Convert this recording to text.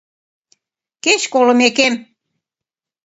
Кеч колымекем.